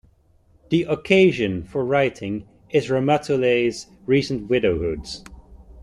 The occasion for writing is Ramatoulaye's recent widowhood.